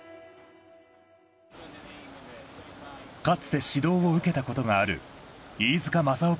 かつて指導を受けたことがある飯塚正雄